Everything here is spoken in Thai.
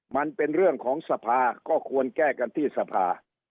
มันเป็นเรื่องของสภาก็ควรแก้กันที่สภา